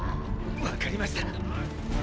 分かりました！